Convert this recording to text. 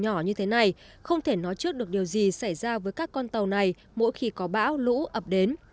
nhỏ như thế này không thể nói trước được điều gì xảy ra với các con tàu này mỗi khi có bão lũ ập đến